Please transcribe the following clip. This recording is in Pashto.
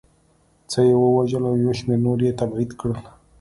څه یې ووژل او یو شمېر نور یې تبعید کړل